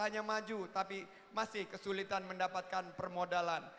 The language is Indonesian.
hanya maju tapi masih kesulitan mendapatkan permodalan